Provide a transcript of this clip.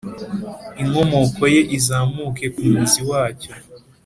inkomoko ye izamuke ku muzi wacyo,